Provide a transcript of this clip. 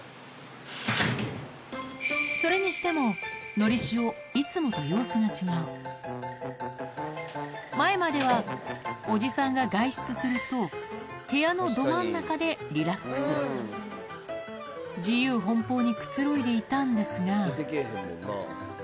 のりしお前まではおじさんが外出すると部屋のど真ん中でリラックス自由奔放にくつろいでいたんですが出てけぇへんもんな。